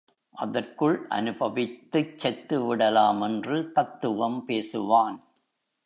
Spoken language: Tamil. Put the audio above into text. அதற்குள் அனுபவித்துச் செத்துவிடலாம் என்று தத்துவம் பேசுவான்.